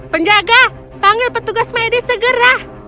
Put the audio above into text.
penjaga panggil petugas medis segera